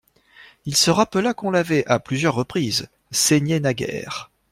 Il se rappela qu'on l'avait, à plusieurs reprises, saignée naguère.